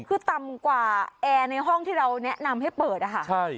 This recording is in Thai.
คือต่ำกว่าแอร์ในห้องที่เราแนะนำให้เปิดอะค่ะใช่